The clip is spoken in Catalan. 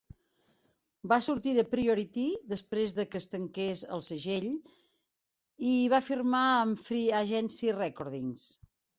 Va sortir de Priority després de que es tanqués el segell i va firmar amb Free Agency Recordings.